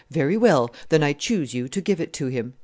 "Very well; then I choose you to give it him."